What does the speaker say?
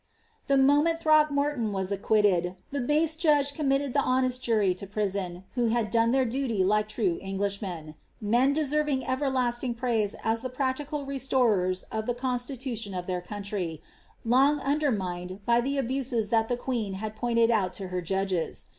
The moment Throckmorton was acquitted, the base judge committed the honest jury to prison, who had done their duty like true English men,—men deserving everlasting praise as the practical restorers of the constitution of their country, long undermined by the abuses that the queen had pointed out to her judges.